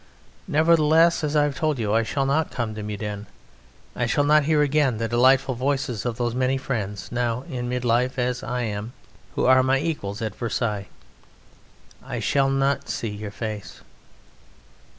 Nevertheless, as I have told you, I shall not come to Meudon: I shall not hear again the delightful voices of those many friends (now in mid life as am I) who are my equals at Versailles. I shall not see your face.